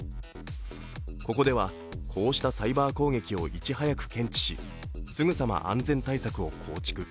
ここでは、こうしたサイバー攻撃をいち早く検知し、すぐさま安全対策を構築。